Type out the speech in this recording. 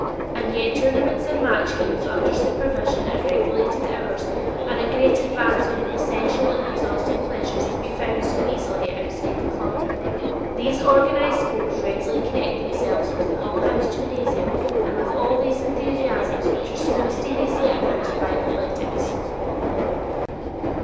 And yet tournaments and match games under supervision and regulated hours are a great advance over the sensual and exhausting pleasures to be found so easily outside the club. These organized sports readily connect themselves with the Hull House gymnasium and with all those enthusiasms which are so mysteriously aroused by athletics.